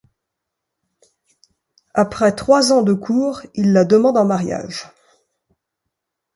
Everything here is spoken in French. Après trois ans de cour, il la demande en mariage.